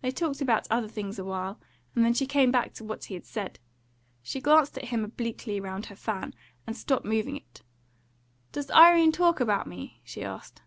They talked about other things a while, and then she came back to what he had said. She glanced at him obliquely round her fan, and stopped moving it. "Does Irene talk about me?" she asked.